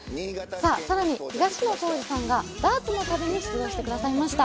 さらに東野幸治さんがダーツの旅に出動してくださいました。